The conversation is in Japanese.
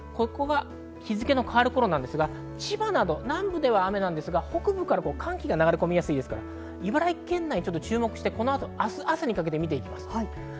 日付の変わるころですが、千葉など南部では雨ですが、北部から寒気が流れ込みやすいですから、茨城県内、注目して明日朝にかけて見ていきます。